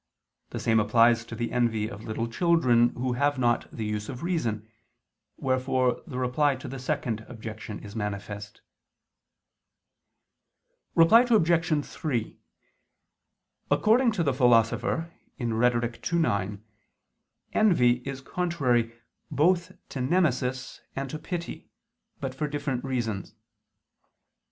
The same applies to the envy of little children who have not the use of reason: wherefore the Reply to the Second Objection is manifest. Reply Obj. 3: According to the Philosopher (Rhet. ii, 9), envy is contrary both to nemesis and to pity, but for different reasons.